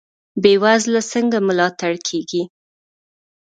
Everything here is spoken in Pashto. بې وزله څنګه ملاتړ کیږي؟